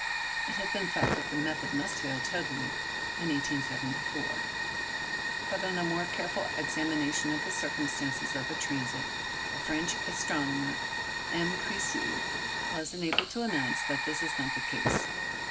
It had been thought that the method must fail totally in 1874. But on a more careful examination of the circumstances of the transit, a French astronomer, M. Puiseux, was enabled to announce that this is not the case.